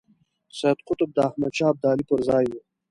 سید قطب د احمد شاه ابدالي پر ځای وو.